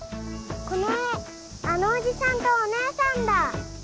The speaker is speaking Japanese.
この絵あのおじさんとお姉さんだ！